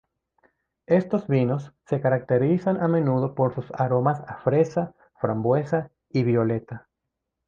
Estos vinos se caracterizan a menudo por sus aromas a fresa, frambuesa y violeta.